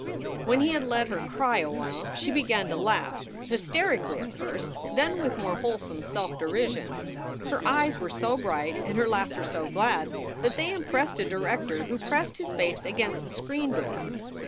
When he had let her cry awhile, she began to laugh, hysterically at first, then with more wholesome self derision. Her eyes were so bright and her laughter so glad that they impressed a director who pressed his face against the screen door.